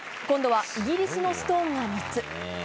今度はイギリスのストーンが３つ。